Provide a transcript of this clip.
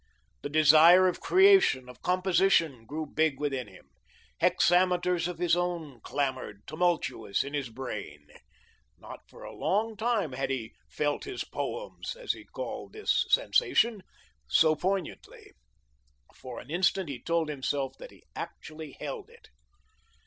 The desire of creation, of composition, grew big within him. Hexameters of his own clamoured, tumultuous, in his brain. Not for a long time had he "felt his poem," as he called this sensation, so poignantly. For an instant he told himself that he actually held it.